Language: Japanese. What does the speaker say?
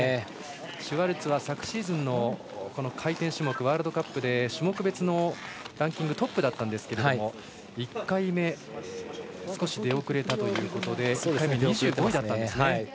シュワルツは昨シーズンの回転種目ワールドカップで種目別のランキングトップだったんですが１回目、少し出遅れたということで２５位だったんです。